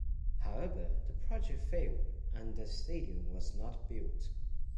However, the project failed, and the stadium was not built.